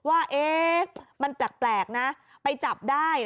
ว่ามันแปลกนะไปจับได้